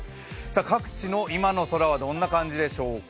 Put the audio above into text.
各地の今の空はどんな感じでしょうか。